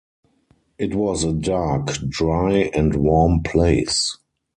It was a dark, dry and warm place.